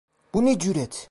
Bu ne cüret!